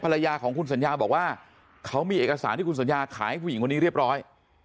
ภรรยาของคุณสัญญาบอกว่าเขามีเอกสารที่คุณสัญญาขายให้ผู้หญิงคนนี้เรียบร้อย